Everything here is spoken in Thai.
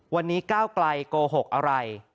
วันนี้ก้าวไกลโกหกอะไร